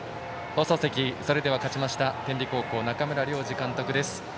放送席、それでは勝ちました天理高校の中村良二監督です。